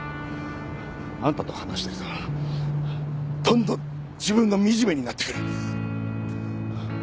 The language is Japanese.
あんたと話してたらどんどん自分が惨めになってくる。